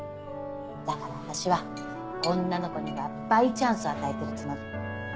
だから私は女の子には倍チャンスを与えてるつもり。